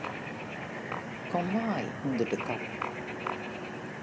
Kom mei ûnder de kappe.